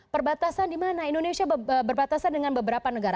perbatasan di mana indonesia berbatasan dengan beberapa negara